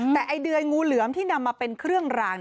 แต่ไอเดือยงูเหลือมที่นำมาเป็นเครื่องราง